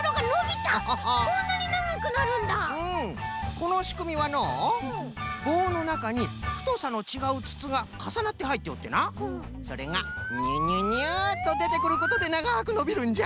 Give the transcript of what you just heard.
このしくみはのうぼうのなかにふとさのちがうつつがかさなってはいっておってなそれがニュニュニュッとでてくることでながくのびるんじゃ。